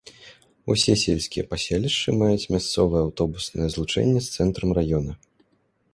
Усе сельскія паселішчы маюць мясцовае аўтобуснае злучэнне з цэнтрам раёна.